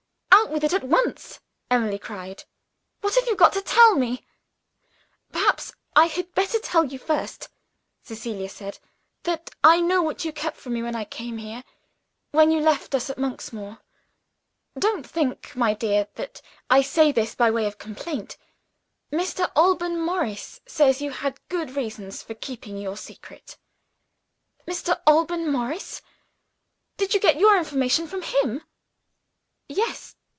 "Out with it at once!" Emily cried. "What have you got to tell me?' "Perhaps, I had better tell you first," Cecilia said, "that I know what you kept from me when I came here, after you left us at Monksmoor. Don't think, my dear, that I say this by way of complaint. Mr. Alban Morris says you had good reasons for keeping your secret." "Mr. Alban Morris! Did you get your information from him?" "Yes.